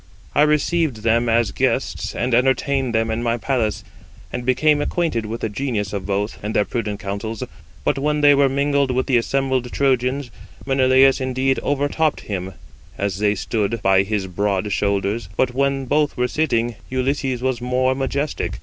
I received them as guests, and entertained them in my palace, and became acquainted with the genius of both, and their prudent counsels; but when they were mingled with the assembled Trojans, Menelaus indeed overtopped him, as they stood by his broad shoulders; but when both were sitting, Ulysses was more majestic.